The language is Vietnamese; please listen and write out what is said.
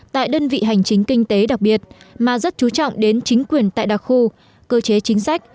tại đơn vị hành chính kinh tế đặc biệt mà rất chú trọng đến chính quyền tại đặc khu cơ chế chính sách